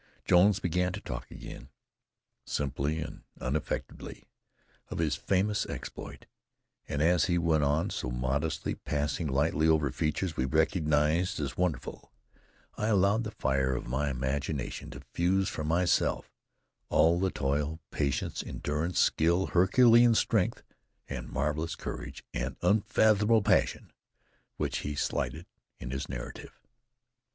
Jones began to talk again, simply and unaffectedly, of his famous exploit; and as he went on so modestly, passing lightly over features we recognized as wonderful, I allowed the fire of my imagination to fuse for myself all the toil, patience, endurance, skill, herculean strength and marvelous courage and unfathomable passion which he slighted in his narrative.